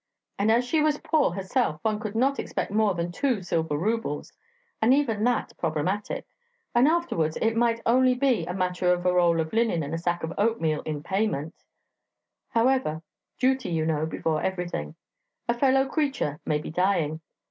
And as she was poor herself, one could not expect more than two silver rubles, and even that problematic; and perhaps it might only be a matter of a roll of linen and a sack of oatmeal in payment. However, duty, you know, before everything: a fellow creature may be dying.